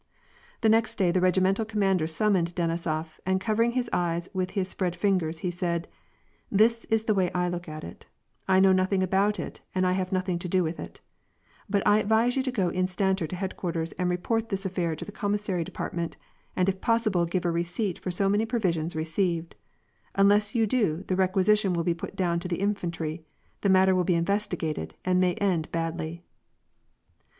The next day, the regimental commander summoned Deni isof, and covering his eyes with his spread fingers, he said, —" This is the way I look at it : I know nothing about it, and I have nothing to do with it ; but I advise you to go instanter to headquarters and report this affair to the commissary de partment, and if possible give a receipt for so many provisions reqeived ; unless you do, the requisition will be put down to the infantry: the matter will be investigated, and may end badly."